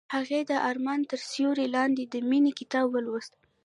هغې د آرمان تر سیوري لاندې د مینې کتاب ولوست.